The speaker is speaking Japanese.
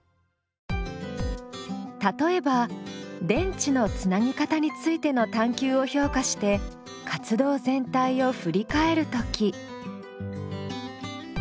例えば電池のつなぎ方についての探究を評価して活動全体をふり返るとき。